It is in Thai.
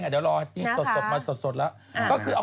เดี๋ยวรอมาสดแล้ว